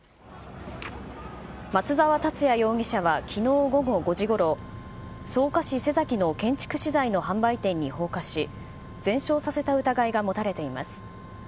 松沢達也容疑者はきのう午後５時ごろ、草加市瀬崎の建築資材の販売店に放火し、全焼させた疑いが持たれています。